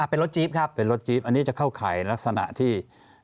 เป็นรถจี๊บครับเป็นรถจี๊บอันนี้จะเข้าข่ายลักษณะที่